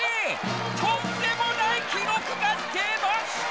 とんでもないきろくがでました！